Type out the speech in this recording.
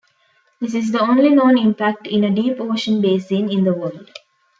This is the only known impact in a deep-ocean basin in the world.